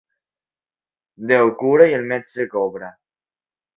Déu cura i el metge cobra.